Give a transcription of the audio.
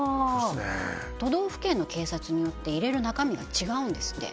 都道府県の警察によって入れる中身が違うんですって